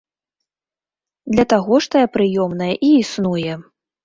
Для таго ж тая прыёмная і існуе.